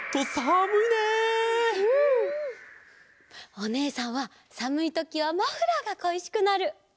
おねえさんはさむいときはマフラーがこいしくなる！